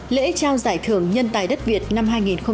lễ trao giải thưởng nhân tài đất việt năm hai nghìn một mươi sáu